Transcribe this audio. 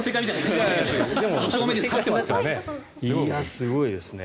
すごいですね。